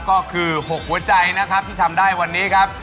ก็คือ๖หัวใจนะครับที่ทำได้วันนี้ครับ